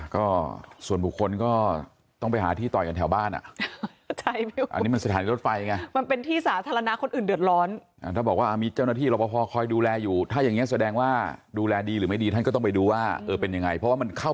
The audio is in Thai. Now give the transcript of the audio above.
ก็ส่วนบุคคลก็ต้องไปหาที่ต่อยกันแถวบ้านอ่ะ